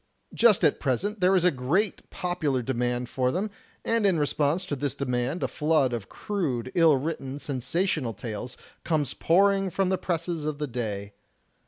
Just at present there is a great popular demand for them; and in response to this demand a flood of crude, ill written, sensational tales comes pouring from the presses of the day.